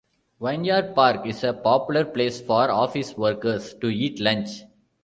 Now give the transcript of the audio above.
Wynyard Park is a popular place for office workers to eat lunch.